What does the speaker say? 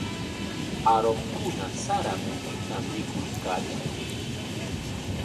Aruqkuna sara mutitam mikuykaayan.